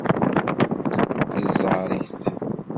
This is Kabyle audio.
Teẓẓar-it.